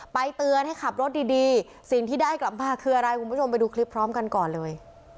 เตือนให้ขับรถดีสิ่งที่ได้กลับมาคืออะไรคุณผู้ชมไปดูคลิปพร้อมกันก่อนเลย